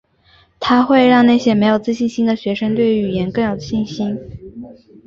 它会让那些没有自信心的学生对于语言更有信心。